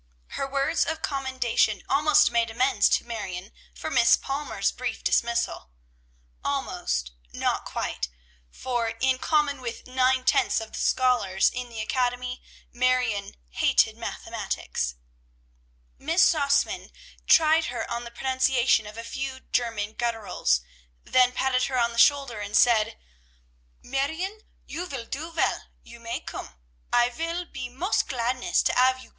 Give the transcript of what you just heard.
Her words of commendation almost made amends to Marion for Miss Palmer's brief dismissal; almost, not quite, for, in common with nine tenths of the scholars in the academy, Marion "hated mathematics." Miss Sausmann tried her on the pronunciation of a few German gutturals, then patted her on the shoulder and said, "Marrione, you vill do vell; you may koom: I vill be most gladness to 'ave you koom.